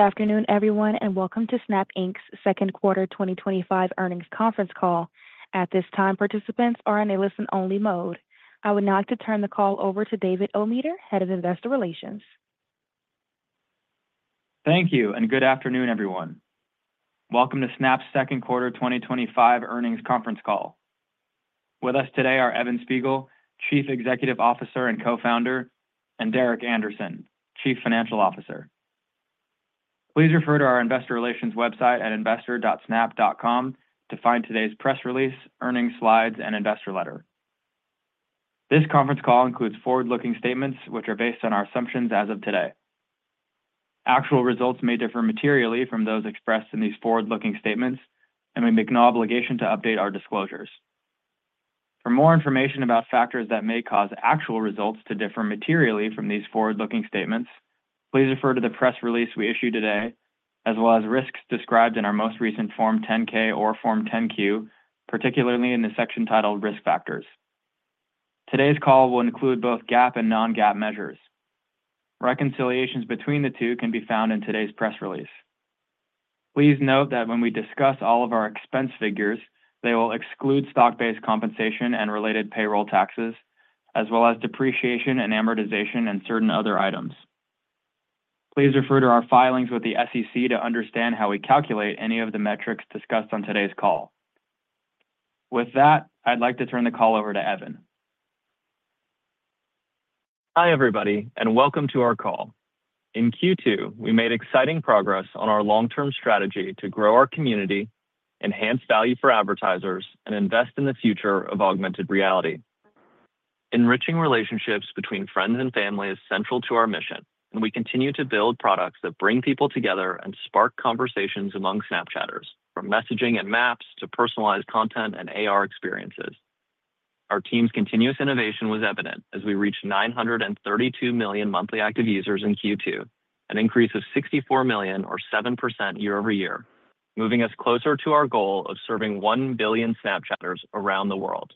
Good afternoon everyone, and welcome to Snap Inc.'s second quarter 2025 earnings conference call. At this time, participants are in a listen-only mode. I would now like to turn the call over to David Ometer, Head of Investor Relations. Thank you and good afternoon everyone. Welcome to Snap's second quarter 2025 earnings conference call. With us today are Evan Spiegel, Chief Executive Officer and Co-founder, and Derek Andersen, Chief Financial Officer. Please refer to our Investor Relations website at investor.snap.com to find today's press release, earnings slides, and investor letter. This conference call includes forward-looking statements which are based on our assumptions. As of today, actual results may differ materially from those expressed in these forward-looking statements and we make no obligation to update our disclosures. For more information about factors that may cause actual results to differ materially from these forward-looking statements, please refer to the press release we issued today as well as risks described in our most recent Form 10-K or Form 10-Q, particularly in the section titled Risk Factors. Today's call will include both GAAP and non-GAAP measures. Reconciliations between the two can be found in today's press release. Please note that when we discuss all of our expense figures, they will exclude stock-based compensation and related payroll taxes as well as depreciation and amortization and certain other items. Please refer to our filings with the SEC to understand how we calculate any of the metrics discussed on today's call. With that, I'd like to turn the call over to Evan. Hi everybody and welcome to our call. In Q2 we made exciting progress on our long-term strategy to grow our community, enhance value for advertisers, and invest in the future of augmented reality. Enriching relationships between friends and family is central to our mission and we continue to build products that bring people together and spark conversations among Snapchatters, from messaging and maps to personalized content and AR experiences. Our team's continuous innovation was evident as we reached 932 million monthly active users in Q2, an increase of 64 million or 7% year-over-year, moving us closer to our goal of serving 1 billion Snapchatters around the world.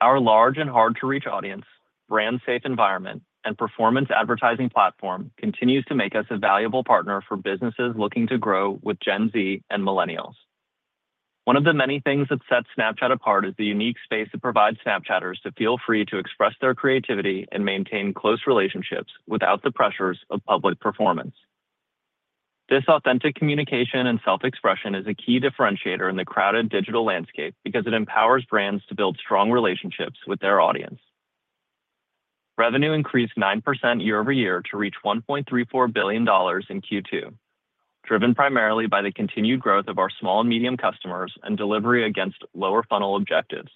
Our large and hard-to-reach audience, brand-safe environment, and performance advertising platform continue to make us a valuable partner for businesses looking to grow with Gen Z and Millennials. One of the many things that sets Snapchat apart is the unique space that provides Snapchatters to feel free to express their creativity and maintain close relationships without the pressures of public performance. This authentic communication and self-expression is a key differentiator in the crowded digital landscape because it empowers brands to build strong relationships with their audience. Revenue increased 9% year-over-year to reach $1.34 billion in Q2, driven primarily by the continued growth of our small and medium customers and delivery against lower funnel objectives.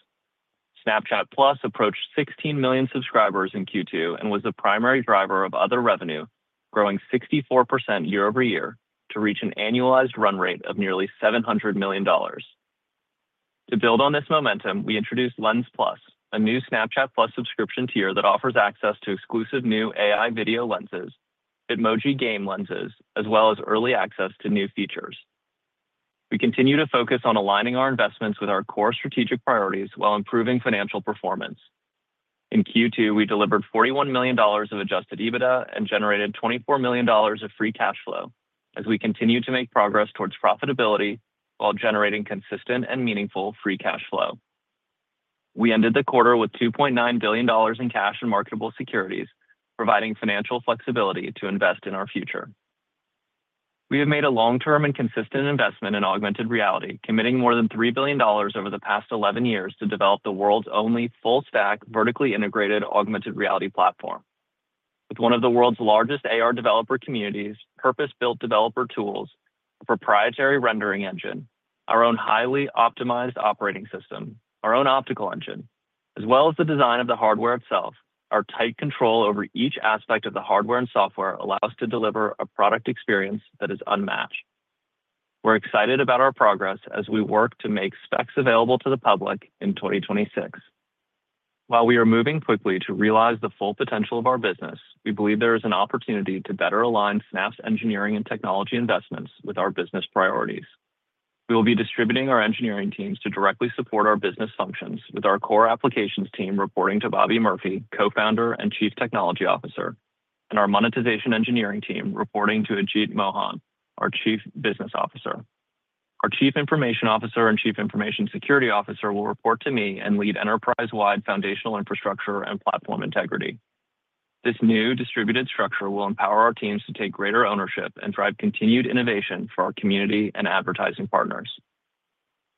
Snapchat+ approached 16 million subscribers in Q2 and was the primary driver of other revenue, growing 64% year-over-year to reach an annualized run rate of nearly $700 million. To build on this momentum, we introduced Lens+, a new Snapchat+ subscription tier that offers access to exclusive new AI video lenses, emoji game lenses, as well as early access to new features. We continue to focus on aligning our investments with our core strategic priorities while improving financial performance. In Q2, we delivered $41 million of adjusted EBITDA and generated $24 million of free cash flow as we continue to make progress towards profitability while generating consistent and meaningful free cash flow. We ended the quarter with $2.9 billion in cash and marketable securities, providing financial flexibility to invest in our future. We have made a long term and consistent investment in augmented reality, committing more than $3 billion over the past 11 years to develop the world's only full stack, vertically integrated augmented reality platform with one of the world's largest AR developer communities, purpose built developer tools, proprietary rendering engine, our own highly optimized operating system, our own optical engine, as well as the design of the hardware itself. Our tight control over each aspect of the hardware and software allows us to deliver a product experience that is unmatched. We're excited about our progress as we work to make Specs available to the public in 2026. While we are moving quickly to realize the full potential of our business, we believe there is an opportunity to better align Snap's engineering and technology investments with our business priorities. We will be distributing our engineering teams to directly support our business functions with our Core Applications team reporting to Bobby Murphy, Co-founder and Chief Technology Officer, and our Monetization Engineering team reporting to Ajit Mohan, our Chief Business Officer. Our Chief Information Officer and Chief Information Security Officer will report to me and lead enterprise-wide foundational infrastructure and platform integrity. This new distributed structure will empower our teams to take greater ownership and drive continued innovation for our community and advertising partners.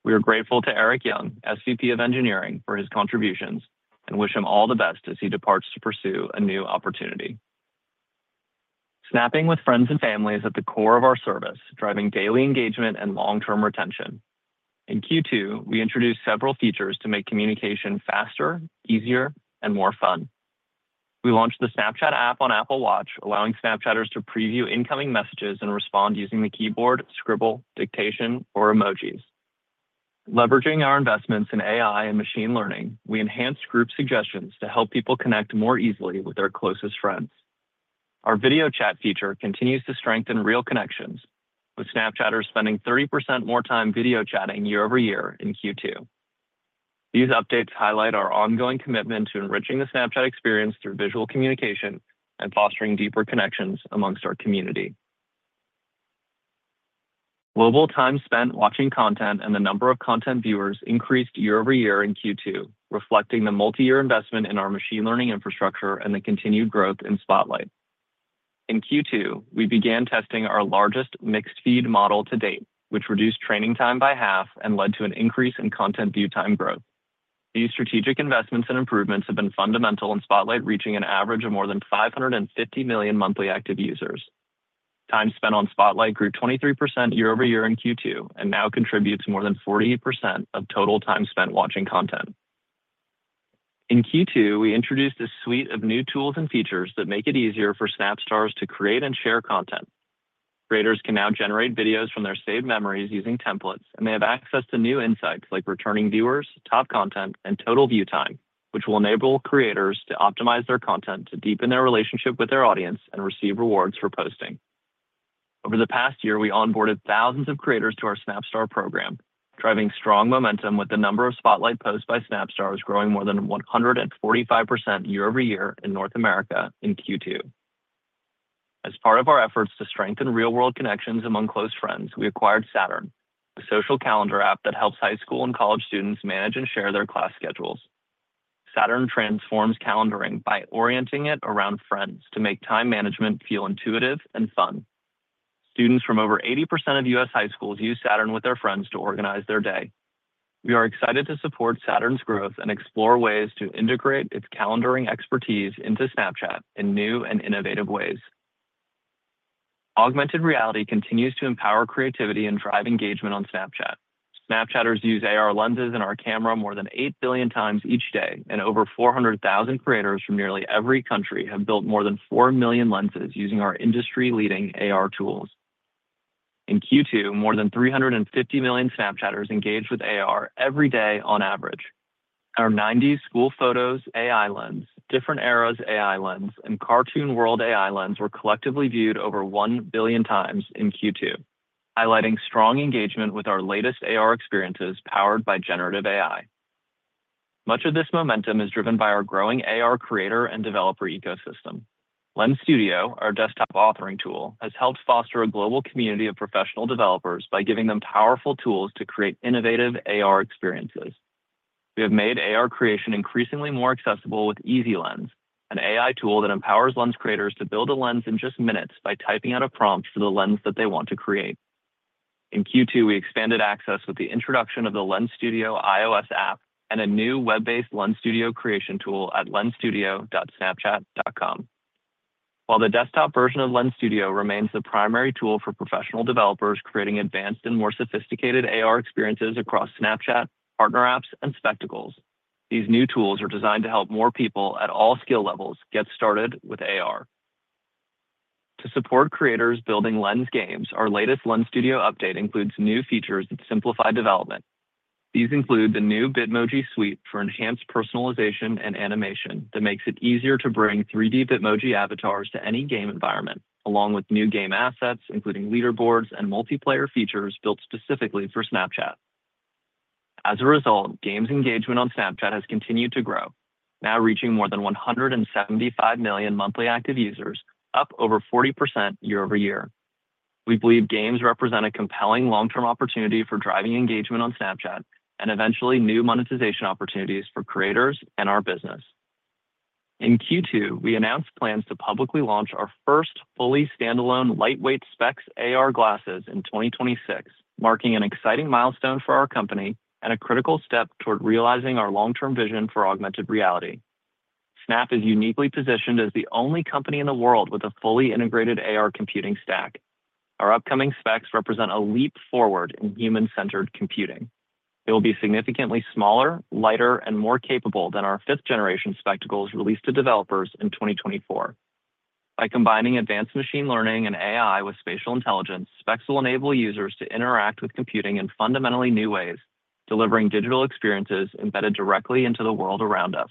We are grateful to Eric Young, SVP of Engineering, for his contributions and wish him all the best as he departs to pursue a new opportunity. Snapping with friends and family is at the core of our service, driving daily engagement and long-term retention. In Q2, we introduced several features to make communication faster, easier, and more fun. We launched the Snapchat app on Apple Watch, allowing Snapchatters to preview incoming messages and respond using the keyboard, scribble, dictation, or emojis. Leveraging our investments in AI and machine learning, we enhanced group suggestions to help people connect more easily with their closest friends. Our video chat feature continues to strengthen real connections, with Snapchatters spending 30% more time video chatting year-over-year in Q2. These updates highlight our ongoing commitment to enriching the Snapchat experience through visual communication and fostering deeper connections amongst our community. Global time spent watching content and the number of content viewers increased year-over-year in Q2, reflecting the multi-year investment in our machine learning infrastructure and the continued growth in Spotlight. In Q2, we began testing our largest mixed feed model to date, which reduced training time by half and led to an increase in content view time growth. These strategic investments and improvements have been fundamental in Spotlight reaching an average of more than 550 million monthly active users. Time spent on Spotlight grew 23% year-over-year in Q2 and now contributes more than 40% of total time spent watching content in Q2. We introduced a suite of new tools and features that make it easier for Snap Stars to create and share. Content creators can now generate videos from their saved memories using templates, and they have access to new insights like returning viewers, top content, and total view time, which will enable creators to optimize their content to deepen their relationship with their audience and receive rewards for posting. Over the past year, we onboarded thousands of creators to our Snap Star program, driving strong momentum with the number of Spotlight posts by Snap Star growing more than 145% year-over-year in North America in Q2. As part of our efforts to strengthen real world connections among close friends, we acquired Saturn, the social calendar app that helps high school and college students manage and share their class schedules. Saturn transforms calendaring by orienting it around friends to make time management feel intuitive and fun. Students from over 80% of U.S. high schools use Saturn with their friends to organize their day. We are excited to support Saturn's growth and explore ways to integrate its calendaring expertise into Snapchat in new and innovative ways. Augmented reality continues to empower creativity and drive engagement on Snapchat. Snapchatters use AR lenses in our camera more than 8 billion times each day, and over 400,000 creators from nearly every country have built more than 4 million lenses using our industry-leading AR tools in Q2. More than 350 million Snapchatters engage with AR every day on average. Our 90s School Photos AI Lens, Different Eras AI Lens, and Cartoon World AI Lens were collectively viewed over 1 billion times in Q2, highlighting strong engagement with our latest AR experiences powered by generative AI. Much of this momentum is driven by our growing AR creator and developer ecosystem. Lens Studio, our desktop authoring tool, has helped foster a global community of professional developers by giving them powerful tools to create innovative AR experiences. We have made AR creation increasingly more accessible with Easy Lens, an AI tool that empowers lens creators to build a lens in just minutes by typing out a prompt for the lens that they want to create. In Q2, we expanded access with the introduction of the Lens Studio iOS app and a new web-based Lens Studio creation tool at lensstudio.snapchat.com. While the desktop version of Lens Studio remains the primary tool for professional developers creating advanced and more sophisticated AR experiences across Snapchat, partner apps, and Spectacles, these new tools are designed to help more people at all skill levels get started with AR. To support creators building Lens games, our latest Lens Studio update includes new features that simplify development. These include the new Bitmoji suite for enhanced personalization and animation that makes it easier to bring 3D Bitmoji avatars to any game environment, along with new game assets including leaderboards and multiplayer features built specifically for Snapchat. As a result, games engagement on Snapchat has continued to grow, now reaching more than 175 million monthly active users, up over 40% year-over-year. We believe games represent a compelling long-term opportunity for driving engagement on Snapchat and eventually new monetization opportunities for creators and our business in Q2. We announced plans to publicly launch our first fully standalone lightweight Specs AR glasses in 2026, marking an exciting milestone for our company and a critical step toward realizing our long-term vision for augmented reality. Snap is uniquely positioned as the only company in the world with a fully integrated AR computing stack. Our upcoming Specs represent a leap forward in human centered computing. It will be significantly smaller, lighter, and more capable than our fifth generation Spectacles released to developers in 2024. By combining advanced machine learning and AI with spatial intelligence, Specs will enable users to interact with computing in fundamentally new ways, delivering digital experiences embedded directly into the world around us.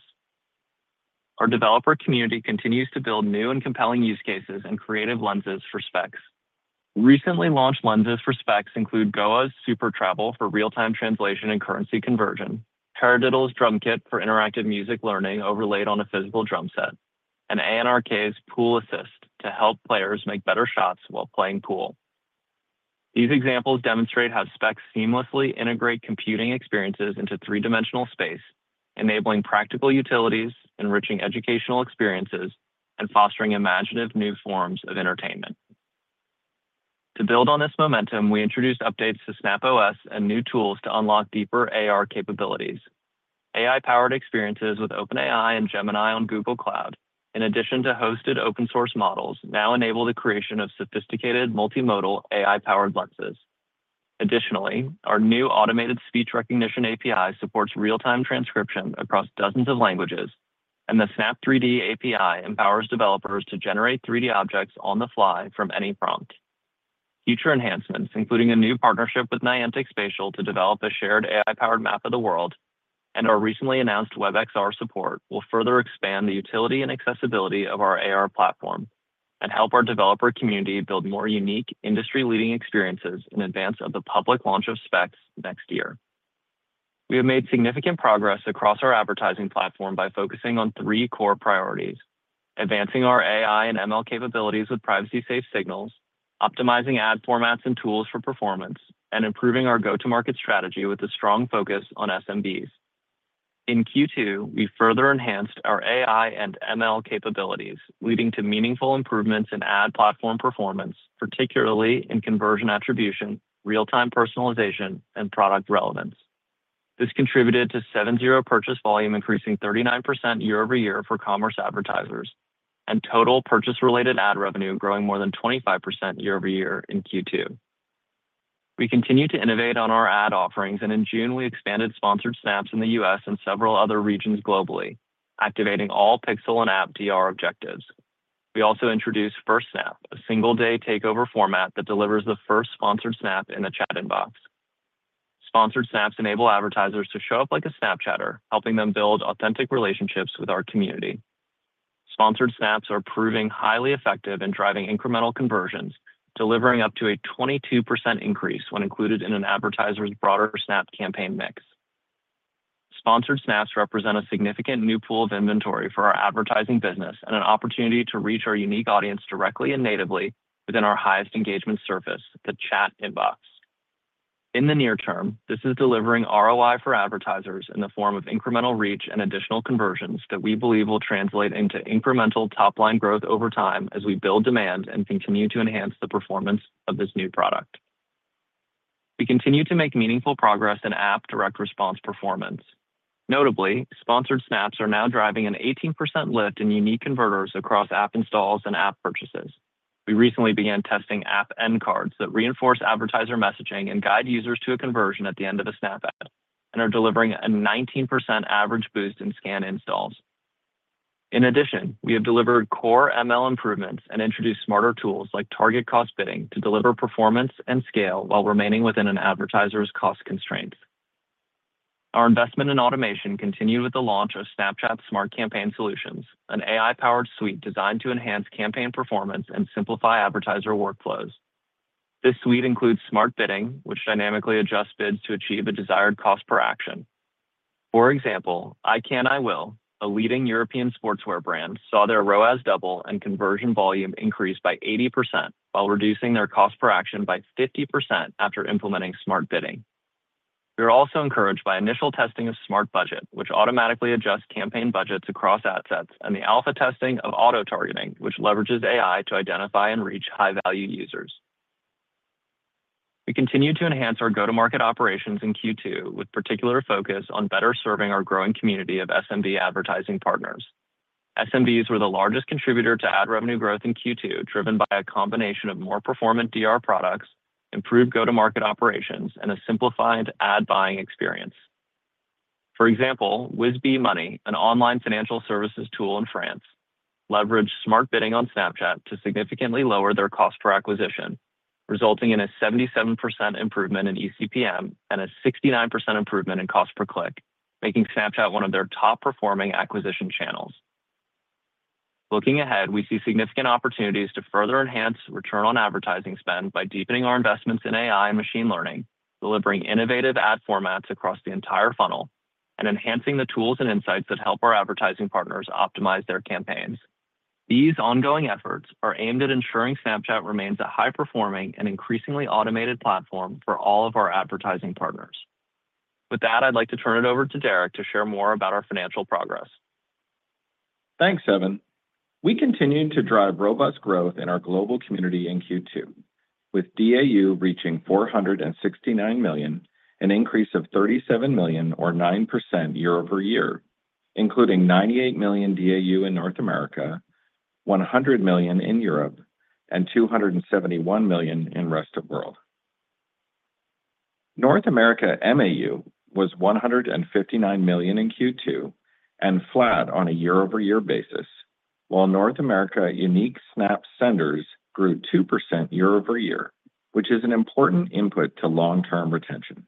Our developer community continues to build new and compelling use cases and creative Lenses for Specs. Recently launched Lenses for Specs include Gowaaa's Super Travel for real time translation and currency conversion, Paradiddle's Drum Kit for interactive music learning overlaid on a physical drum set, and ANRK's Pool Assist to help players make better shots while playing pool. These examples demonstrate how Specs seamlessly integrate computing experiences into three dimensional space, enabling practical utilities, enriching educational experiences, and fostering imaginative new forms of entertainment. To build on this momentum, we introduced updates to Snap OS and new tools to unlock deeper AR capabilities. AI powered experiences with OpenAI and Gemini on Google Cloud, in addition to hosted open source models, now enable the creation of sophisticated multimodal AI powered Lenses. Additionally, our new automated Speech Recognition API supports real time transcription across dozens of languages, and the Snap3D API empowers developers to generate 3D objects on the fly from any prompt. Future enhancements, including a new partnership with Niantic Spatial to develop a shared AI-powered map of the world and our recently announced WebXR support, will further expand the utility and accessibility of our AR platform and help our developer community build more unique, industry-leading experiences. In advance of the public launch of Specs next year, we have made significant progress across our advertising platform by focusing on three core areas: advancing our AI and machine learning capabilities with privacy-safe signals, optimizing ad formats and tools for performance, and improving our go-to-market strategy with a strong focus on SMBs. In Q2, we further enhanced our AI and machine learning capabilities, leading to meaningful improvements in ad platform performance, particularly in conversion, attribution, real-time personalization, and product relevance. This contributed to 7.0 purchase volume increasing 39% year-over-year for commerce advertisers and total purchase-related ad revenue growing more than 25% year-over-year. In Q2, we continued to innovate on our ad offerings, and in June we expanded Sponsored Snaps in the U.S. and several other regions globally, activating all Pixel and App DR objectives. We also introduced First Snap, a single-day takeover format that delivers the first Sponsored Snap in the Chat inbox. Sponsored Snaps enable advertisers to show up like a Snapchatter, helping them build authentic relationships with our community. Sponsored Snaps are proving highly effective in driving incremental conversions, delivering up to a 22% increase when included in an advertiser's broader Snap campaign mix. Sponsored Snaps represent a significant new pool of inventory for our advertising business and an opportunity to reach our unique audience directly and natively within our highest engagement surface, the Chat inbox. In the near term, this is delivering ROI for advertisers in the form of incremental reach and additional conversions that we believe will translate into incremental top-line growth over time as we build demand and continue to enhance the performance of this new product. We continue to make meaningful progress in app direct response performance. Notably, Sponsored Snaps are now driving an 18% lift in unique converters across app installs and app purchases. We recently began testing app end cards that reinforce advertiser messaging and guide users to a conversion at the end of a Snap ad and are delivering a 19% average boost in scan installs. In addition, we have delivered core machine learning improvements and introduced smarter tools like Target Cost bidding to deliver performance and scale while remaining within an advertiser's cost constraints. Our investment in automation continued with the launch of Snapchat Smart Campaign Solutions, an AI-powered suite designed to enhance campaign performance and simplify advertiser workflows. This suite includes Smart Bidding, which dynamically adjusts bids to achieve a desired cost per action. For example, I Can't, I Will, a leading European sportswear brand, saw their ROAS double and conversion volume increase by 80% while reducing their cost per action by 50% after implementing Smart Bidding. We are also encouraged by initial testing of Smart Budget, which automatically adjusts campaign budgets across assets, and the alpha testing of Auto Targeting, which leverages AI to identify and reach high-value users. We continue to enhance our go-to-market operations in Q2, with particular focus on better serving our growing community of SMB advertisers. SMBs were the largest contributor to ad revenue growth in Q2, driven by a combination of more performant direct response ad products, improved go-to-market operations, and a simplified ad buying experience. For example, WIZBII Money, an online financial services tool in France, leveraged Smart Bidding on Snapchat to significantly lower their cost per acquisition, resulting in a 77% improvement in eCPM and a 69% improvement in cost per click, making Snapchat one of their top-performing acquisition channels. Looking ahead, we see significant opportunities to further enhance return on advertising spend by deepening our investments in AI and machine learning, delivering innovative ad formats across the entire funnel, and enhancing the tools and insights that help our advertising partners optimize their campaigns. These ongoing efforts are aimed at ensuring Snapchat remains a high-performing and increasingly automated platform for all of our advertising partners. With that, I'd like to turn it over to Derek to share more about our financial progress. Thanks Evan. We continue to drive robust growth in our global community in Q2 with daily active users reaching 469 million, an increase of 37 million or 9% year-over-year, including 98 million daily active users in North America, 100 million in Europe, and 271 million in rest of world. North America monthly active users was 159 million in Q2 and flat on a year-over-year basis, while North America unique Snap senders grew 2% year-over-year, which is an important input to long term retention.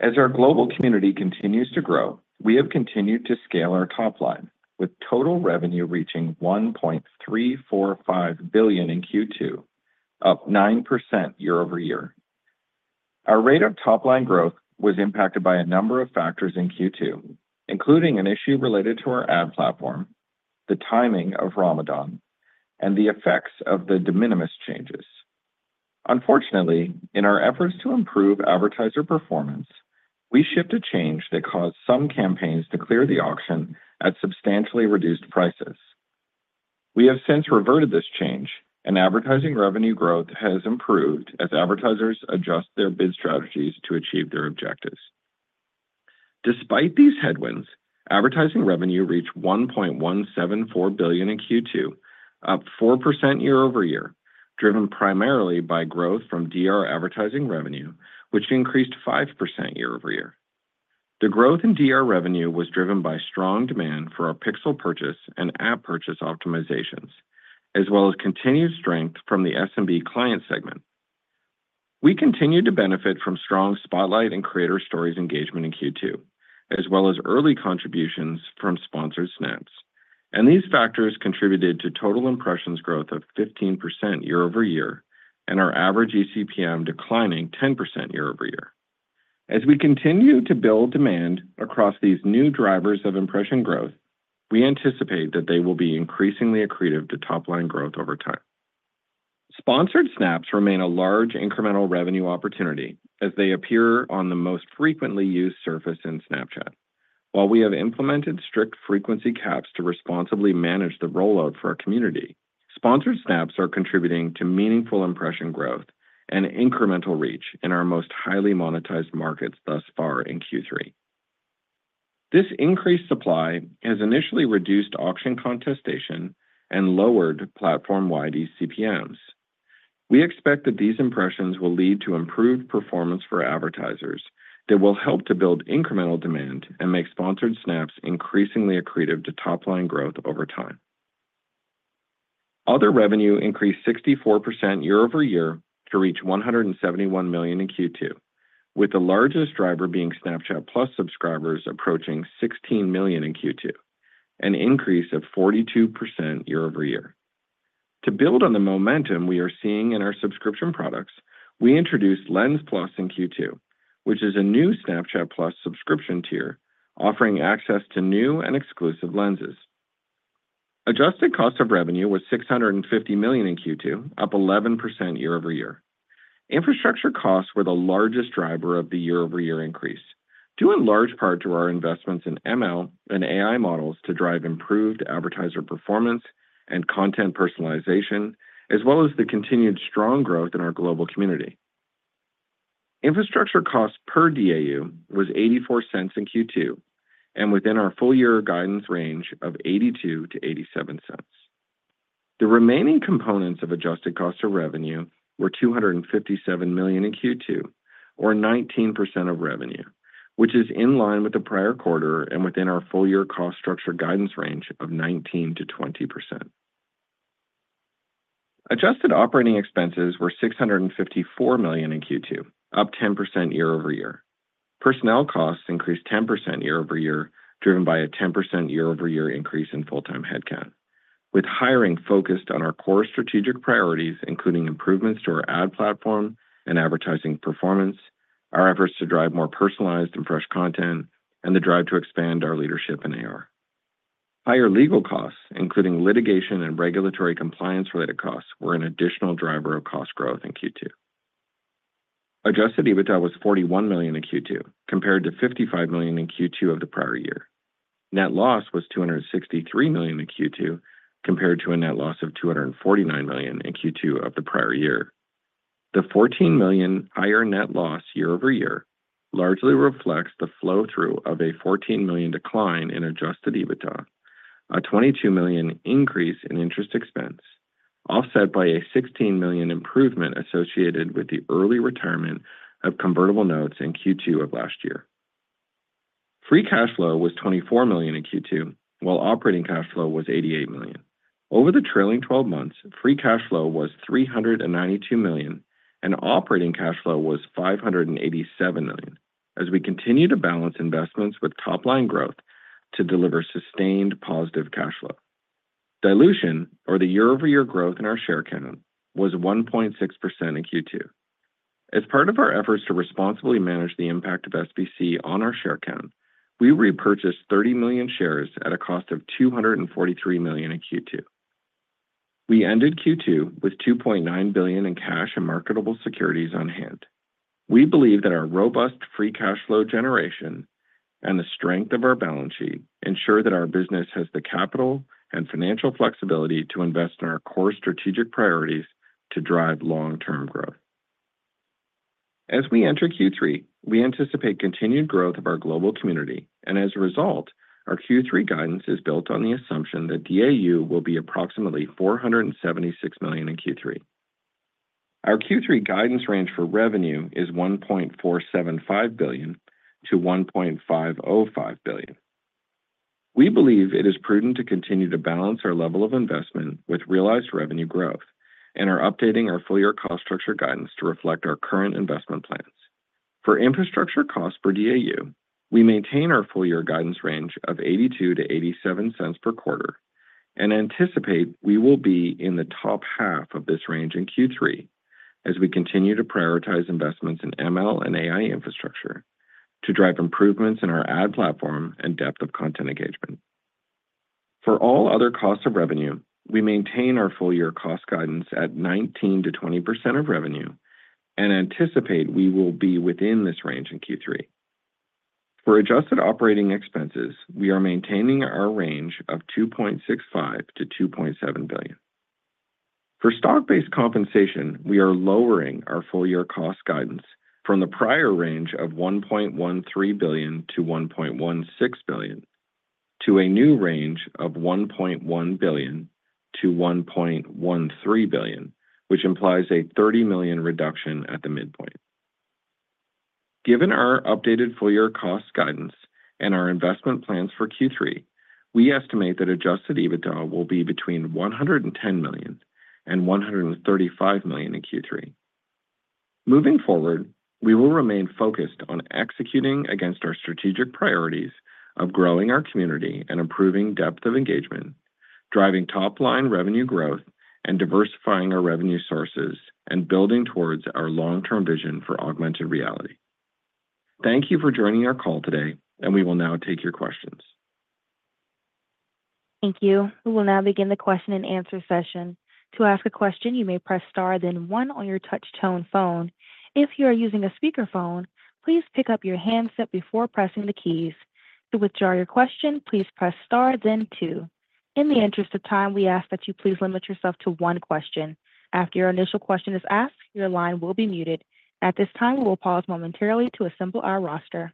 As our global community continues to grow, we have continued to scale our top line with total revenue reaching $1.345 billion in Q2, up 9% year-over-year. Our rate of top line growth was. Impacted by a number of factors. Q2 including an issue related to our ad platform, the timing of Ramadan, and the effects of the de minimis changes. Unfortunately, in our efforts to improve advertiser performance, we shipped a change that caused some campaigns to clear the auction at substantially reduced prices. We have since reverted this change, and advertising revenue growth has improved as advertisers adjust their bid strategies to achieve their objectives. Despite these headwinds, advertising revenue reached $1.174 billion in Q2, up 4% year-over-year, driven primarily by growth from direct response advertising revenue, which increased 5% year-over-year. The growth in direct response revenue was driven by strong demand for our Pixel purchase and App purchase optimizations, as well as continued strength from the SMB client segment. We continued to benefit from strong Spotlight and Creator Stories engagement in Q2, as well as early contributions from Sponsored Snaps, and these factors contributed to total impressions growth of 15% year-over-year and our average eCPM declining 10% year-over-year. As we continue to build demand across these new drivers of impression growth, we anticipate that they will be increasingly accretive to top line growth over time. Sponsored Snaps remain a large incremental revenue opportunity as they appear on the most frequently used surface in Snapchat. While we have implemented strict frequency caps to responsibly manage the rollout for our community, Sponsored Snaps are contributing to meaningful impression growth and incremental reach in our most highly monetized markets thus far in Q3. This increased supply has initially reduced auction contestation and lowered platform-wide eCPMs. We expect that these impressions will lead to improved performance for advertisers that will help to build incremental demand and make Sponsored Snaps increasingly accretive to top line growth over time. Other revenue increased 64% year-over-year to reach $171 million in Q2, with the largest driver being Snapchat+ subscribers approaching 16 million in Q2, an increase of 42% year-over-year. To build on the momentum we are seeing in our subscription products, we introduced Lens+ in Q2, which is a new Snapchat+ subscription tier offering access to new and exclusive lenses. Adjusted cost of revenue was $650 million in Q2, up 11% year-over-year. Infrastructure costs were the largest driver of the year-over-year increase due in large part to our investments in machine learning and AI models to drive improved advertiser performance and content personalization, as well as the continued strong growth in our global community. Infrastructure cost per daily active user was $0.84 in Q2 and within our full year guidance range of $0.82-$0.87. The remaining components of adjusted cost of revenue were $257 million in Q2, or 19% of revenue, which is in line with the prior quarter and within our full year cost structure guidance range of 19%-20%. Adjusted operating expenses were $654 million in Q2, up 10% year-over-year. Personnel costs increased 10% year-over-year, driven by a 10% year-over-year increase in full time headcount, with hiring focused on our core strategic priorities including improvements to our ad platform and advertising performance, our efforts to drive more personalized and fresh content, and the drive to expand our leadership in augmented reality. Higher legal costs, including litigation and regulatory compliance related costs, were an additional driver of cost growth in Q2. Adjusted EBITDA was $41 million in Q2 compared to $55 million in Q2 of the prior year. Net loss was $263 million in Q2 compared to a net loss of $249 million in Q2 of the prior year. The $14 million increase in net loss year-over-year largely reflects the flow through of a $14 million decline in adjusted EBITDA, a $22 million increase in interest expense, offset by a $16 million improvement associated with the early retirement of convertible notes. In Q2 of last year, free cash flow was $24 million in Q2 while operating cash flow was $88 million. Over the trailing 12 months, free cash flow was $392 million and operating cash flow was $587 million. As we continue to balance investments with top line growth to deliver sustained positive cash flow, dilution or the year-over-year growth in our share count was 1.6% in Q2. As part of our efforts to responsibly manage the impact of stock-based compensation on our share count, we repurchased 30 million shares at a cost of $243 million in Q2. We ended Q2 with $2.9 billion in cash and marketable securities on hand. We believe that our robust free cash flow generation and the strength of our balance sheet ensure that our business has the capital and financial flexibility to invest in our core strategic priorities to drive long term growth. As we enter Q3, we anticipate continued growth of our global community, and as a result, our Q3 guidance is built on the assumption that daily active users will be approximately 476 million in Q3. Our Q3 guidance range for revenue is $1.475 billion-$1.505 billion. We believe it is prudent to continue to balance our level of investment with realized revenue growth and are updating our full year cost structure guidance to reflect our current investment plans for infrastructure costs per daily active user. We maintain our full year guidance range of $0.82-$0.87 per quarter and anticipate we will be in the top half of this range in Q3 as we continue to prioritize investments in machine learning and AI infrastructure to drive improvements in our ad platform and depth of content engagement. For all other cost of revenue, we maintain our full year cost guidance at 19% to 20% of revenue and anticipate we will be within this range in Q3. For adjusted operating expenses, we are maintaining our range of $2.65 billion-$2.7 billion. For stock-based compensation, we are lowering our full year cost guidance from the prior range of $1.13 billion-$1.16 billion to a new range of $1.1 billion-$1.13 billion, which implies a $30 million reduction at the midpoint. Given our updated full year cost guidance and our investment plans for Q3, we estimate that adjusted EBITDA will be between $110 million-$135 million in Q3. Moving forward, we will remain focused on executing against our strategic priorities of growing our community and improving depth of engagement, driving top line revenue growth and diversifying our revenue sources, and building towards our long-term vision for augmented reality. Thank you for joining our call today and we will now take your questions. Thank you. We will now begin the question-and-answer session. To ask a question, you may press star then one on your touch tone phone. If you are using a speakerphone, please pick up your handset before pressing the keys. To withdraw your question, please press star then two. In the interest of time, we ask that you please limit yourself to one question. After your initial question is asked, your line will be muted. At this time, we will pause momentarily to assemble our roster.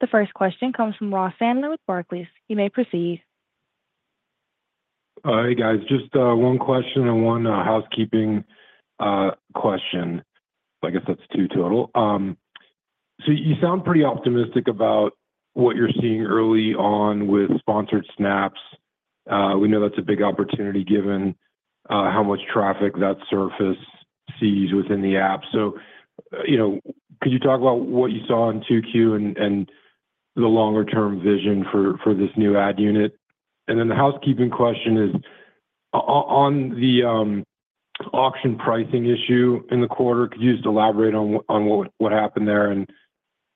The first question comes from Ross Sandler with Barclays. You may proceed. Hey guys. Just one question and one housekeeping question. I guess that's two total. You sound pretty optimistic about what you're seeing early on with Sponsored Snaps. We know that's a big opportunity given how much traffic that surface sees within the app. Could you talk about what you saw in Q2, the longer term vision for this new ad unit? The housekeeping question is on. The auction pricing issue in the quarter, could you just elaborate on what happened there and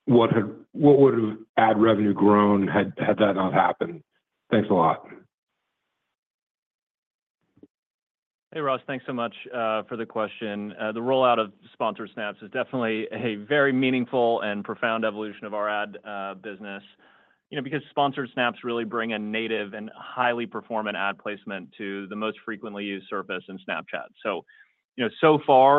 what would have added revenue grown had that not happened? Thanks a lot. Hey Ross, thanks so much for the question. The rollout of Sponsored Snaps is definitely a very meaningful and profound evolution of our ad business because Sponsored Snaps really bring a native and highly performant ad placement to the most frequently used Surface in Snapchat.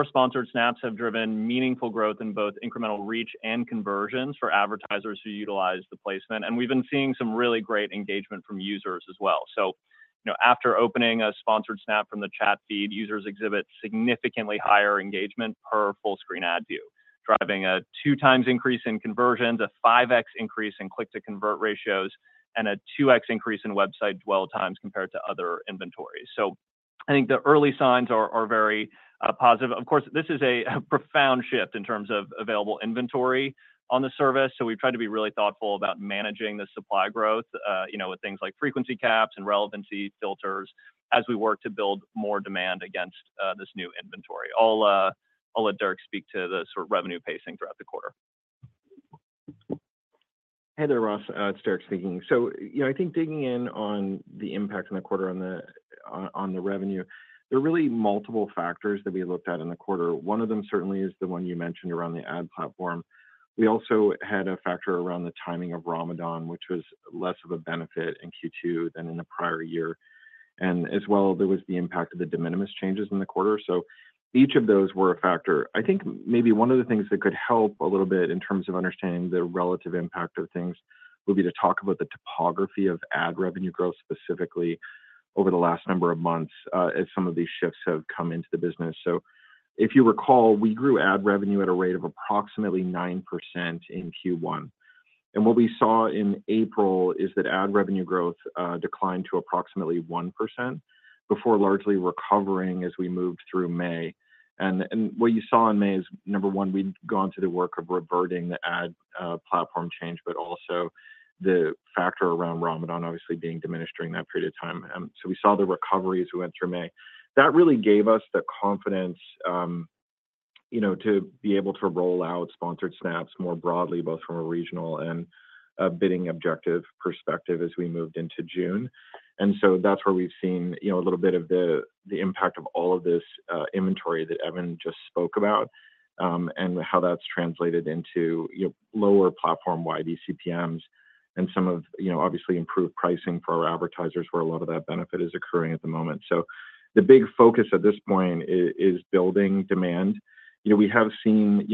Sponsored Snaps have driven meaningful growth in both incremental reach and conversions for advertisers who utilize the placement. We've been seeing some really great engagement from users as well. After opening a Sponsored Snap from the chat feed, users exhibit significantly higher engagement per full screen ad view, driving a 2x increase in conversions, a 5x increase in click to convert ratios, and a 2x increase in website dwell times compared to other inventories. I think the early signs are very positive. Of course, this is a profound shift in terms of available inventory on the service. We've tried to be really thoughtful about managing the supply growth with things like frequency caps and relevancy filters as we work to build more demand against this new inventory. I'll let Derek speak to the sort of revenue pacing throughout the quarter. Hey there, Ross. It's Derek's thinking. I think digging in on the impact in the quarter on the revenue, there are really multiple factors that we looked at in the quarter. One of them certainly is the one you mentioned around the ad platform. We also had a factor around the timing of Ramadan, which was less of a benefit in Q2 than in the prior year. There was the impact of the de minimis changes in the quarter as well. Each of those were a factor. I think maybe one of the things that could help a little bit in terms of understanding the relative impact of things would be to talk about the topography of ad revenue growth, specifically over the last number of months as some of these shifts have come into the business. If you recall, we grew ad revenue at a rate of approximately 9% in Q1. What we saw in April is that ad revenue growth declined to approximately 1% before largely recovering as we moved through May. What you saw in May is, number one, we'd gone through the work of reverting the ad platform change, but also the factor around Ramadan obviously being diminished during that period of time. We saw the recovery as we went through May. That really gave us the confidence to be able to roll out Sponsored Snaps more broadly, both from a regional and bidding objective perspective as we moved into June. That's where we've seen a little bit of the impact of all of this inventory that Evan just spoke about and how that's translated into lower platform-wide eCPMs and some of obviously improved pricing for our advertisers, where a lot of that benefit is occurring at the moment. The big focus at this point is building demand. We have seen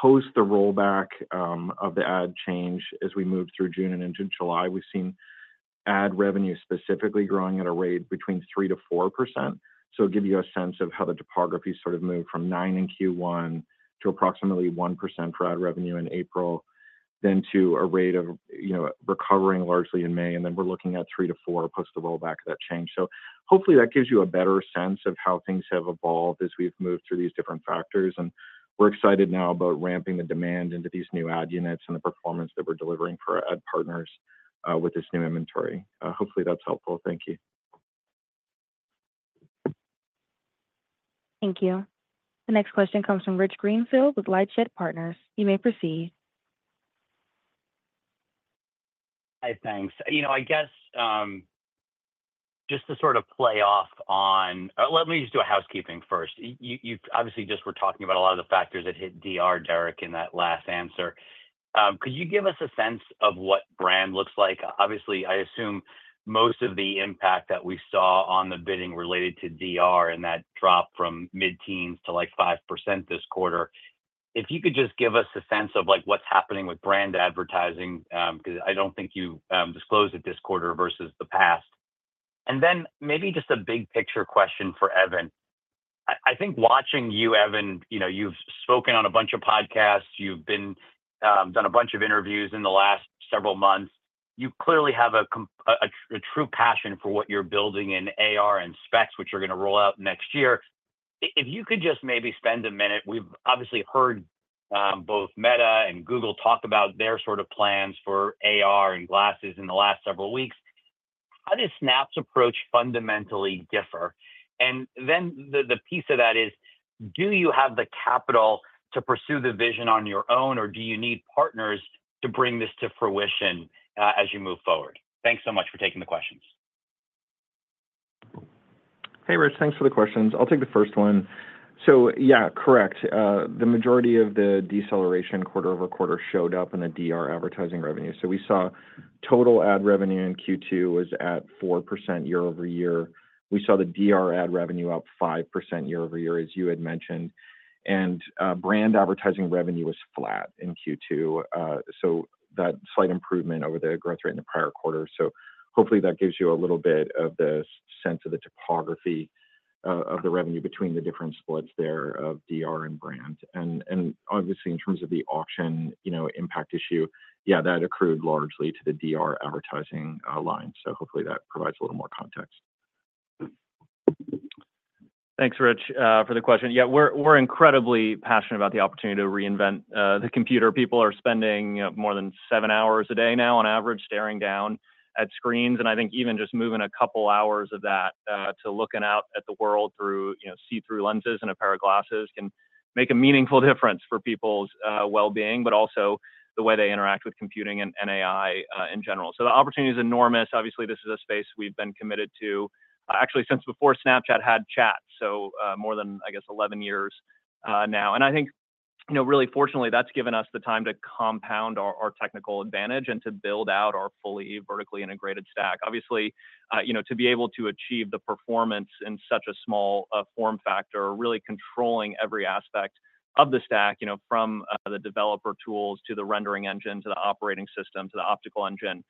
post the rollback of the ad change as we move through June and into July. We've seen ad revenue specifically growing at a rate between 3%-4%. It'll give you a sense of how the topography sort of moved from 9% in Q1 to approximately 1% for ad revenue in April, then to a rate of, you know, recovering largely in May. We're looking at 3%-4% post the rollback of that change. Hopefully that gives you a better sense of how things have evolved as we've moved through these different factors. We're excited now about ramping the demand into these new ad units and the performance that we're delivering for our ad partners with this new inventory. Hopefully that's helpful. Thank you. Thank you. The next question comes from Rich Greenfield with LightShed Partners. You may proceed. Hi. Thanks. I guess just to sort of play off on, let me just do a housekeeping first. You obviously just were talking about a lot of the factors that hit Dr. Derek in that last answer. Could you give us a sense of what brand looks like? Obviously I assume most of the impact that we saw on the bidding related to Dr. and that drop from mid teens to like 5% this quarter. If you could just give us a sense of like what's happening with brand advertising because I don't think you disclosed it this quarter versus the past. Maybe just a big picture question for Evan. I think watching you, Evan, you know, you've spoken on a bunch of podcasts. You've done a bunch of interviews in the last several months. You clearly have a true passion for what you're building in AR and Specs, which are going to roll out next year. If you could just maybe spend a minute. We've obviously heard both Meta and Google talk about their sort of plans for AR and glasses in the last several weeks. How does Snap's approach fundamentally differ? The piece of that is. Do you have the capital to pursue the vision on your own, or do you need partners to bring this to fruition as you move forward? Thanks so much for taking the questions. Hey Rich, thanks for the questions. I'll take the first one. Yeah, correct. The majority of the deceleration quarter over quarter showed up in the direct response advertising revenue. We saw total ad revenue in Q2 was at 4% year-over-year. We saw the direct response ad revenue up 5% year-over-year, as you had mentioned, and brand advertising revenue was flat in Q2, so that was a slight improvement over the growth rate in the prior quarter. Hopefully that gives you a little bit of the sense of the topography of the revenue between the different splits there of direct response and brand. Obviously, in terms of the auction impact issue, that accrued largely to the direct response advertising line, so hopefully that provides a little more context. Thanks, Rich, for the question. Yeah, we're incredibly passionate about the opportunity to reinvent the computer. People are spending more than seven hours a day now on average staring down at screens. I think even just moving a couple hours of that to looking out at the world through see-through lenses and a pair of glasses can make a meaningful difference for people's well-being, but also the way they interact with computing and AI in general. The opportunity is enormous. Obviously, this is a space we've been committed to actually since before Snapchat had chat, so more than, I guess, 11 years now. I think really fortunately that's given us the time to compound our technical advantage and to build out our fully vertically integrated stack. Obviously, to be able to achieve the performance in such a small form factor, really controlling every aspect of the stack, from the developer tools to the rendering engine, to the operating system, to the optical engine,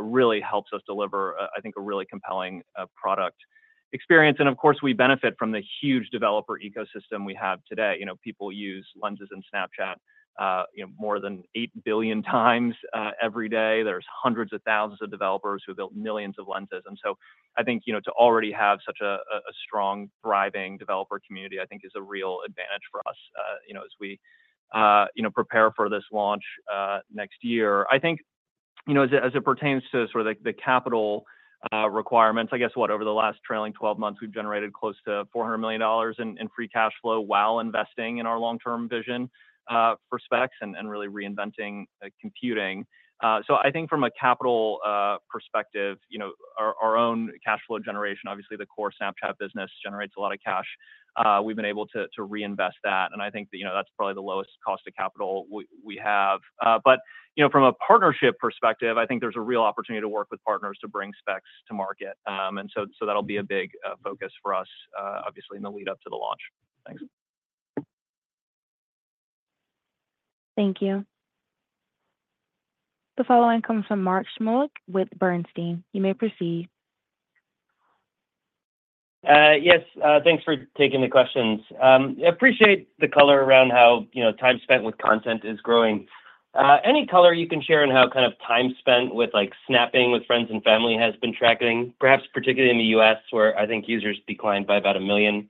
really helps us deliver, I think, a really compelling product experience. Of course, we benefit from the huge developer ecosystem we have today. People use lenses in Snapchat more than 8 billion times every day. There are hundreds of thousands of developers who built millions of lenses. I think to already have such a strong, thriving developer community is a real advantage for us as we prepare for this launch next year. As it pertains to the capital requirements, over the last trailing 12 months we've generated close to $400 million in free cash flow while investing in our long-term vision perspectives and really reinventing computing. From a capital perspective, our own cash flow generation, obviously the core Snapchat business generates a lot of cash. We've been able to reinvest that, and I think that's probably the lowest cost of capital we have. From a partnership perspective, I think there's a real opportunity to work with partners to bring Specs to market. That will be a big focus for us in the lead up to the launch. Thanks. Thank you. The following comes from Mark Shmulik with Bernstein. You may proceed. Yes, thanks for taking the questions. Appreciate the color around how time spent with content is growing. Any color you can share on how kind of time spent with like snapping with friends and family has been tracking, perhaps particularly in the U.S. where I think users declined by about a million?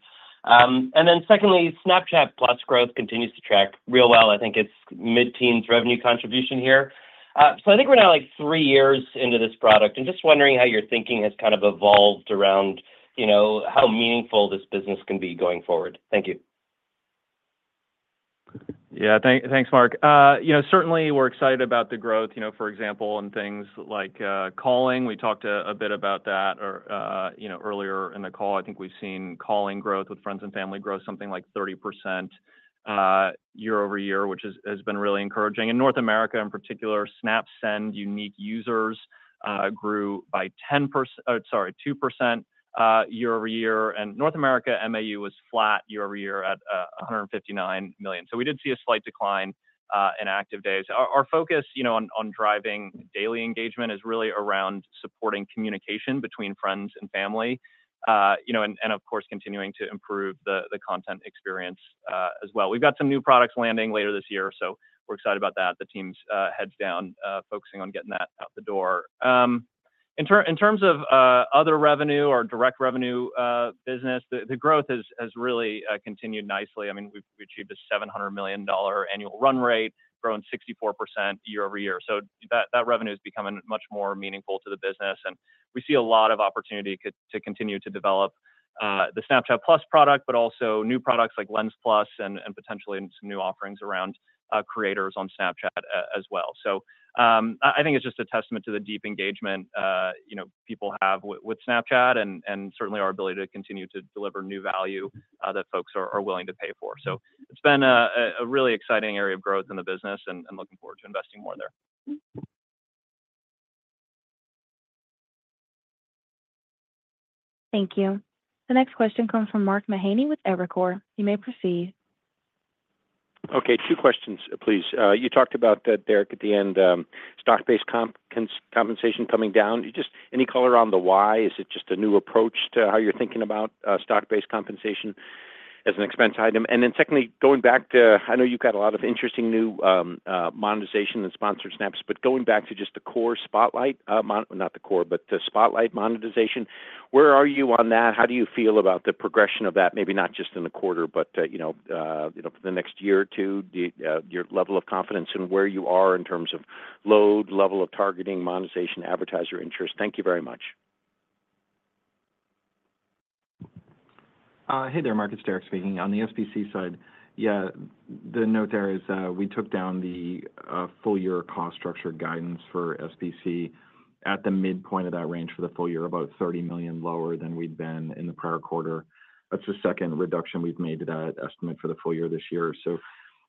Secondly, Snapchat+ growth continues to track real well. I think it's mid-teens revenue contribution here. I think we're now like three years into this product, just wondering how your thinking has kind of evolved around how meaningful this business can be going forward. Thank you. Yeah, thanks Mark. Certainly we're excited about the growth. For example, in things like calling, we talked a bit about that earlier in the call. I think we've seen calling growth with friends and family grow something like 30% year-over-year, which has been really encouraging. In North America in particular, Snap Send unique users grew by 2% year-over-year. North America MAU was flat year-over-year at 159 million. We did see a slight decline in active days. Our focus on driving daily engagement is really around supporting communication between friends and family and of course continuing to improve the content experience as well. We've got some new products landing later this year. We're excited about that. The team's heads down focusing on getting that out the door. In terms of other revenue or direct revenue business, the growth has really continued nicely. I mean we achieved a $700 million annual run rate growing 64% year-over-year. That revenue is becoming much more meaningful to the business. We see a lot of opportunity to continue to develop the Snapchat+ product, but also new products like Lens+ and potentially some new offerings around creators on Snapchat as well. I think it's just a testament to the deep engagement people have with Snapchat and certainly our ability to continue to deliver new value that folks are willing to pay for. It's been a really exciting area of growth in the business and looking forward to investing more there. Thank you. The next question comes from Mark Mahaney with Evercore. You may proceed. Okay, two questions please. You talked about Derek at the end, stock based compensation coming down. Just any color on that? Why is it, just a new approach to how you're thinking about stock based compensation as an expense item? Secondly, going back to, I know you've got a lot of interesting new monetization and Sponsored Snaps, but going back to just the core Spotlight, not the core but the Spotlight monetization. Where are you on that? How do you feel about the progression of that maybe not just in the quarter, but you know for the next year or two, your level of confidence where you are in terms of load, level of targeting, monetization, advertiser interest. Thank you very much. Hey there Mark, it's Derek speaking on the SBC side. The note there is we took down the full year cost structure guidance for SBC at the midpoint of that range for the full year, about $30 million lower than we'd been in the prior quarter. That's the second reduction we've made to that estimate for the full year this year.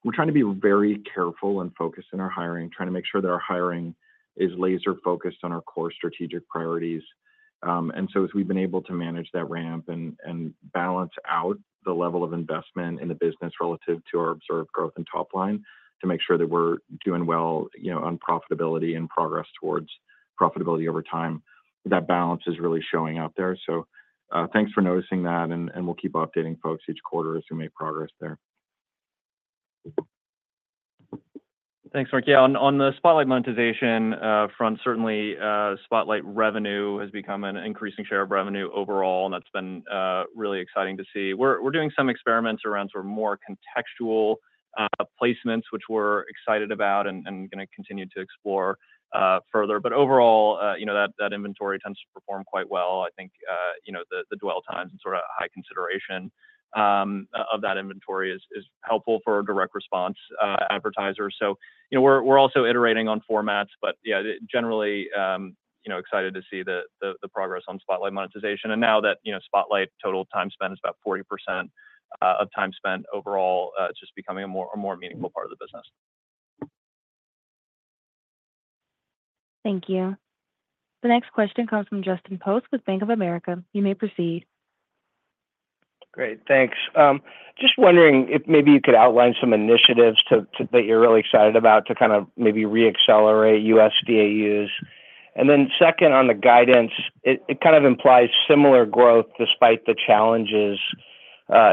We are trying to be very careful and focused in our hiring, trying to make sure that our hiring is laser focused on our core strategic priorities. As we've been able to manage that ramp and balance out the level of investment in the business relative to our observed growth and top line to make sure that we're doing well on profitability and progress towards profitability over time, that balance is really showing up there. Thanks for noticing that and we'll keep updating folks each quarter as we make progress there. Thanks, Mark. Yeah, on the Spotlight monetization front, certainly Spotlight revenue has become an increasing share of revenue overall, and that's been really exciting to see. We're doing some experiments around more contextual placements, which we're excited about and going to continue to explore further. Overall, you know that inventory tends to perform quite well. I think the dwell times, sort of high consideration of that inventory, is helpful for direct response advertisers. We're also iterating on formats, but generally excited to see the progress on Spotlight monetization. Now that Spotlight total time spent is about 40% of time spent overall, it's just becoming a more meaningful part of the business. Thank you. The next question comes from Justin Post with Bank of America. You may proceed. Great, thanks. Just wondering if maybe you could outline some initiatives that you're really excited about to maybe reaccelerate daily active users on the guidance, it kind of implies similar growth despite the challenges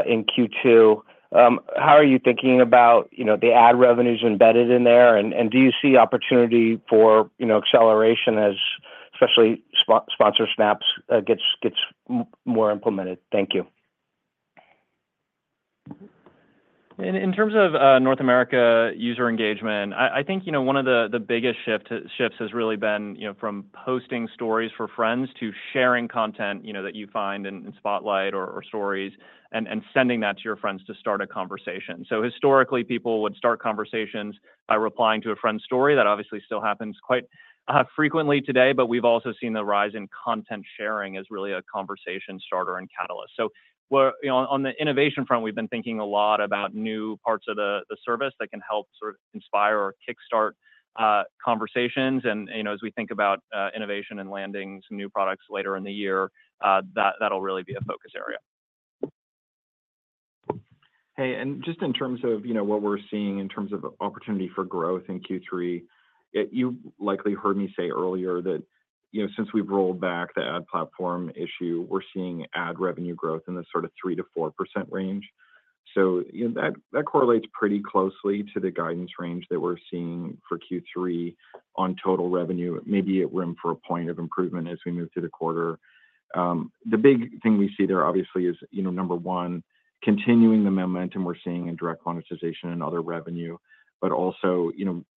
in Q2, how are you thinking about the ad revenues embedded in there, and do you see opportunity for acceleration as especially Sponsored Snaps gets more implemented? Thank you. In terms of North America user engagement, I think one of the biggest shifts has really been from posting stories for friends to sharing content that you find in Spotlight or Stories and sending that to your friends to start a conversation. Historically, people would start conversations by replying to a friend's story. That obviously still happens quite frequently today. We have also seen the rise in content sharing as really a conversation starter and catalyst. On the innovation front, we've been thinking a lot about new parts of the service that can help inspire or kickstart conversations. As we think about innovation and landing some new products later in the year, that'll really be a focus area. Hey, and just in terms of what we're seeing in terms of opportunity for growth in Q3, you likely heard me say earlier that since we've rolled back the ad platform issue, we're seeing ad revenue growth in the sort of 3%-4% range. That correlates pretty closely to the guidance range that we're seeing for Q3 on total revenue. Maybe room for a point of improvement as we move to the quarter. The big thing we see there obviously is, number one, continuing the momentum we're seeing in direct monetization and other revenue, but also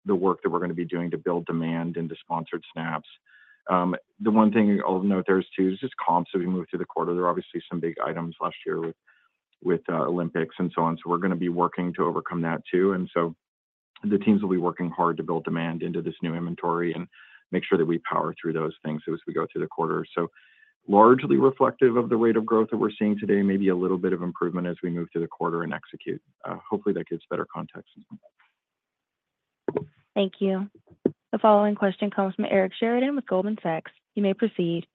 the work that we're going to be doing to build demand into Sponsored Snaps. The one thing I'll note there is too, is just comps as we move to the quarter. There are obviously some big items last year with Olympics and so on, so we're going to be working to overcome that too. The teams will be working hard to build demand into this new inventory and make sure that we power through those things as we go through the quarter. Largely reflective of the rate of growth that we're seeing today, maybe a little bit of improvement as we move through the quarter and execute. Hopefully that gives better context. Thank you. The following question comes from Eric Sheridan with Goldman Sachs. You may proceed.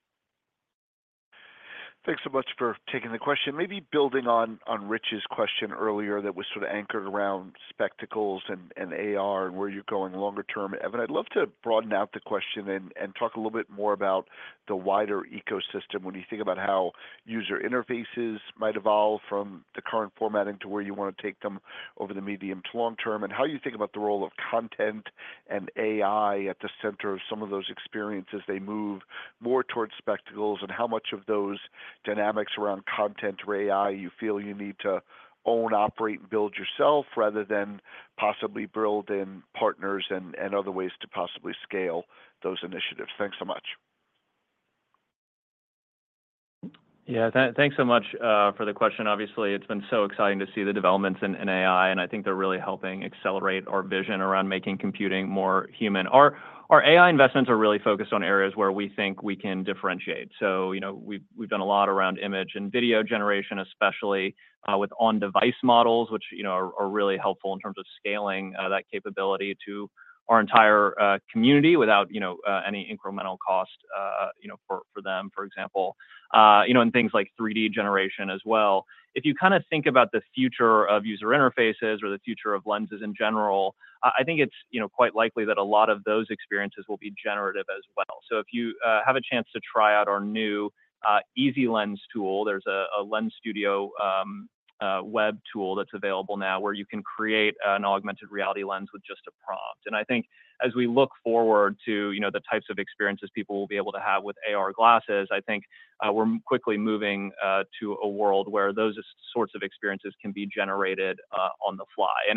Thanks so much for taking the question. Maybe building on Rich's question earlier that was sort of anchored around Spectacles and AR and where you're going longer term. Evan, I'd love to broaden out the question and talk a little bit more about the wider ecosystem. When you think about how user interfaces might evolve from the current formatting to where you want to take them over the medium to long term, and how you think about the role of content and AI at the center of some of those experiences, they move more towards Spectacles and how much of those dynamics around content or AI you feel you need to own, operate, and build yourself rather than possibly build in partners and other ways to possibly scale those initiatives. Thanks so much. Yeah, thanks so much for the question. Obviously, it's been so exciting to see the developments in AI, and I think they're really helping accelerate our vision around making computing more human. Our AI investments are really focused on areas where we think we can differentiate. We've done a lot around image and video generation, especially with on-device models, which are really helpful in terms of scaling that capability to our entire community without any incremental cost for them, for example, and things like 3D generation as well. If you think about the future of user interfaces or the future of lenses in general, I think it's quite likely that a lot of those experiences will be generative as well. If you have a chance to try out our new Easy Lens tool, there's a Lens Studio web tool that's available now where you can create an augmented reality lens with just a prompt. As we look forward to the types of experiences people will be able to have with AR glasses, I think we're quickly moving to a world where those sorts of experiences can be generated on the fly.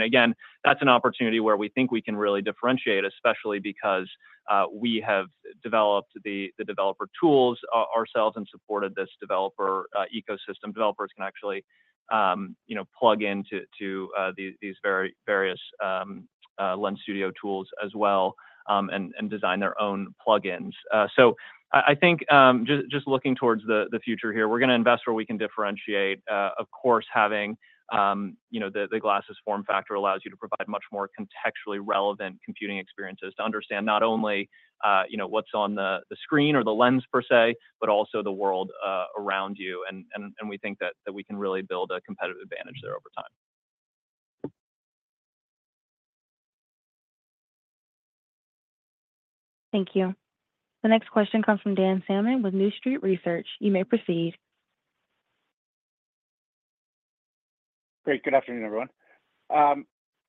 That's an opportunity where we think we can really differentiate, especially because we have developed the developer tools ourselves and supported this developer ecosystem. Developers can actually plug into these various Lens Studio tools as well and design their own plugins. Just looking towards the future here, we're going to invest where we can differentiate. Of course, having the glasses form factor allows you to provide much more contextually relevant computing experiences to understand not only what's on the screen or the lens per se, but also the world around you. We think that we can really build a competitive advantage there over time. Thank you. The next question comes from Dan Salmon with New Street Research. You may proceed. Great. Good afternoon, everyone.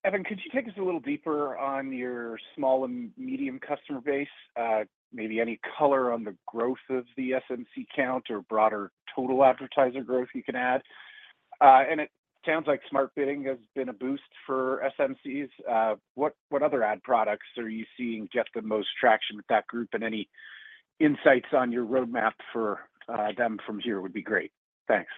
Evan, could you take us a little deeper on your small and medium customer base? Maybe any color on the growth of the SMC count or broader total advertiser growth you can add it sounds like smart bidding has been a boost for SMCs. What other ad products are you seeing get the most traction with that group? Any insights on your roadmap for them from here would be great. Thanks.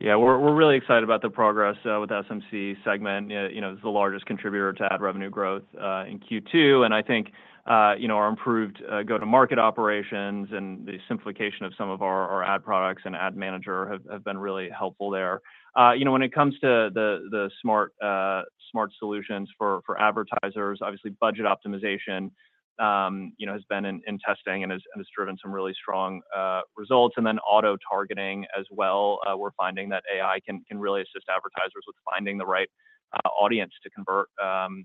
Yeah, we're really excited about the progress with SMC segment. You know, it's the largest contributor to ad revenue growth in Q2, and I think our improved go to market operations and the simplification of some of our ad products and Ad Manager have been really helpful there. When it comes to the smart solutions for advertisers, obviously budget optimization has been in testing and has driven some really strong results, and then auto targeting as well. We're finding that AI can really assist advertisers with finding the right audience to convert on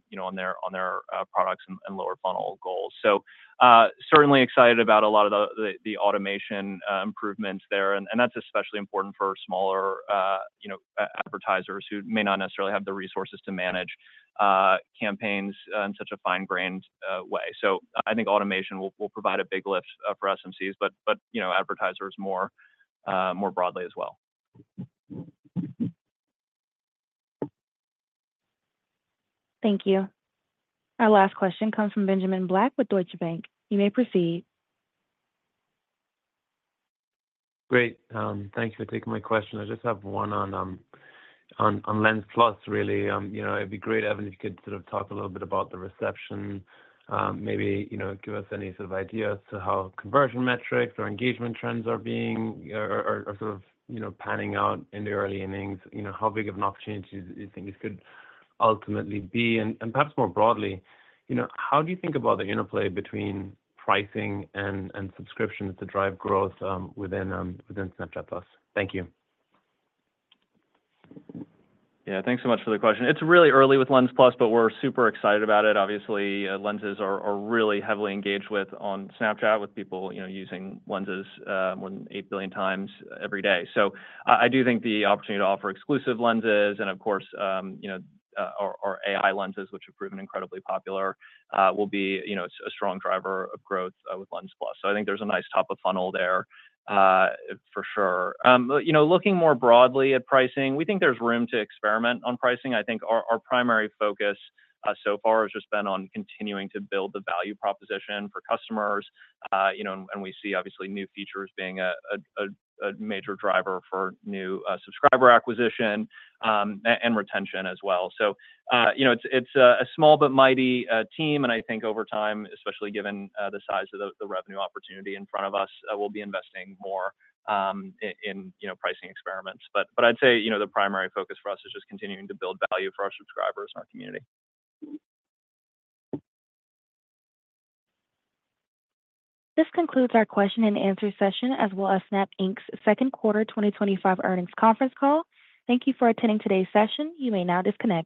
their products and lower funnel goals. Certainly excited about a lot of the automation improvements there, and that's especially important for smaller advertisers who may not necessarily have the resources to manage campaigns in such a fine grained way. I think automation will provide a big lift for SMCs, but advertisers more broadly as well. Thank you. Our last question comes from Benjamin Black with Deutsche Bank. You may proceed. Great. Thank you for taking my question. I just have one on Lens+. Really, it'd be great, Evan, if you could sort of talk a little bit about the reception, maybe give us any sort of idea as to how conversion metrics or engagement trends are panning out in the early innings, you know, how big of an opportunity you. Think this could ultimately be perhaps more broadly, you know, how do you think about the interplay between pricing and subscription to drive growth within Snapchat+? Thank you. Yeah, thanks so much for the question. It's really early with Lens+, but we're super excited about it. Obviously, lenses are really heavily engaged with on Snapchat, with people using lenses more than 8 billion times every day. I do think the opportunity to offer exclusive lenses and, of course, our lenses, which have proven incredibly popular, will be a strong driver of growth with Lens+. I think there's a nice top of funnel there for sure. Looking more broadly at pricing, we think there's room to experiment on pricing. I think our primary focus so far has just been on continuing to build the value proposition for customers, and we see obviously new features being a major driver for new subscriber acquisition and retention as well. It's a small but mighty team, and I think over time, especially given the size of the revenue opportunity in front of us, we'll be investing more in pricing experiments. I'd say the primary focus for us is just continuing to build value for our subscribers and our community. This concludes our question-and-answer session as well as Snap Inc.'s second quarter 2025 earnings conference call. Thank you for attending today's session. You may now disconnect.